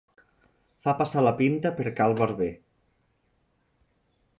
Fa passar la pinta per cal barber.